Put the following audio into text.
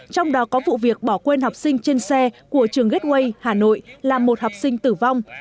trong đó có vụ việc bỏ quên học sinh trên xe của trường gateway hà nội làm một học sinh tử vong